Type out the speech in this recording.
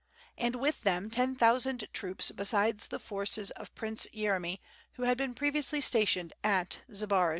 And with them ten thousand troops besides the forces of Prince Yeremy who had been previously stationed at Zbaraj.